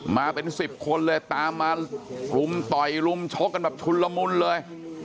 มาเป็นสิบคนเลยตามมารุมต่อยรุมชกกันแบบชุนละมุนเลย